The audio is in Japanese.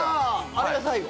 あれが最後？